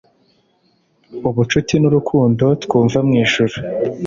ubucuti nurukundo twumva mwijuru! ..